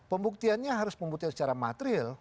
pembuktiannya harus membuktikan secara material